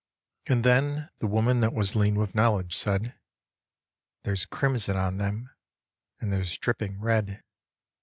And then The woman that was lean with knowledge said :" There's crimson on them, and there's drip ping red."